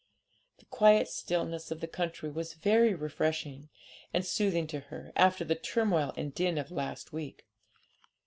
The quiet stillness of the country was very refreshing and soothing to her, after the turmoil and din of the last week.